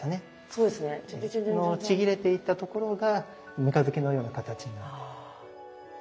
そのちぎれていったところが三日月のような形になっている。